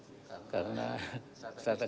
saya tanya dua orang siapa